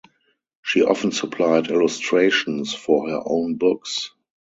She often supplied illustrations for her own books.